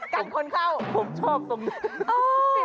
กันคนเข้าผมชอบตรงนี้